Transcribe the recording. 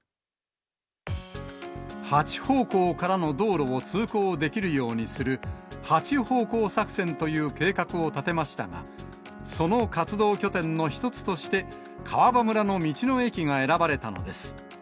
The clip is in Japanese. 八方向からの道路を通行できるようにする、八方向作戦という計画を立てましたが、その活動拠点の一つとして、川場村の道の駅が選ばれたのです。